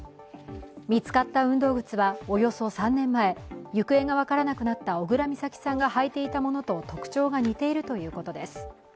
見つかった運動靴は、およそ３年前、行方が分からなくなった小倉美咲さんが履いていたものと特徴が似ているということです。